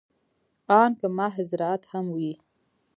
ان که محض زراعت هم وي.